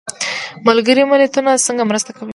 ملګري ملتونه څنګه مرسته کوي؟